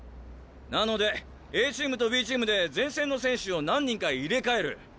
なのでＡチームとＢチームで前線の選手を何人か入れ替える。